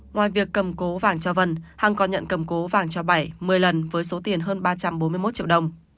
ngoài việc cầm cố vàng cho vân hằng còn nhận cầm cố vàng cho bảy một mươi lần với số tiền hơn ba trăm bốn mươi một triệu đồng